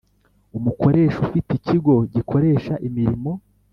Umukoresha ufite ikigo gikoresha imirimo